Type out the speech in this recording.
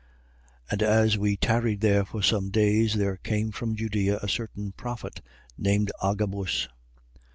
21:10. And as we tarried there for some days, there came from Judea a certain prophet, named Agabus.